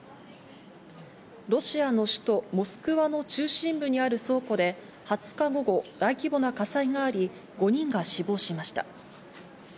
ロシアの首都モスクワの中心部にある倉庫で２０日午後、大規模な火災があり、５人が死亡しました。